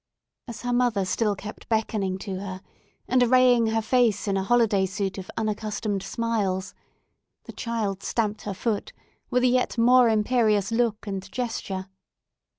As her mother still kept beckoning to her, and arraying her face in a holiday suit of unaccustomed smiles, the child stamped her foot with a yet more imperious look and gesture.